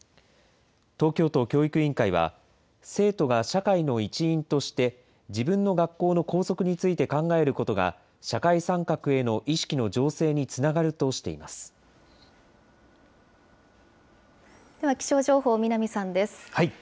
東京都教育委員会は、生徒が社会の一員として自分の学校の校則について考えることが、社会参画への意識の醸成につながるとしていでは気象情報、南さんです。